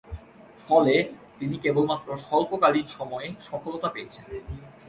ফলে, তিনি কেবলমাত্র স্বল্পকালীন সময়ে সফলতা পেয়েছেন।